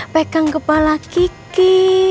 pegang kepala kiki